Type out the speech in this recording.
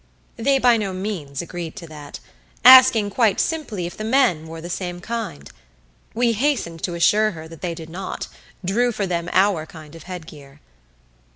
They by no means agreed to that, asking quite simply if the men wore the same kind. We hastened to assure her that they did not drew for them our kind of headgear.